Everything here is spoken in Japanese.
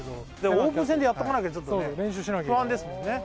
オープン戦でやっとかなきゃちょっとね不安ですもんね。